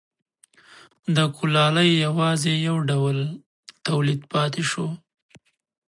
د کولالۍ یوازې یو ډول تولید پاتې شو.